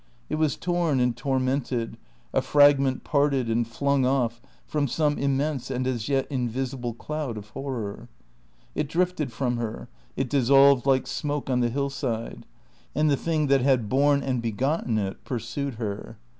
It was torn and tormented, a fragment parted and flung off from some immense and as yet invisible cloud of horror. It drifted from her; it dissolved like smoke on the hillside; and the Thing that had born and begotten it pursued her.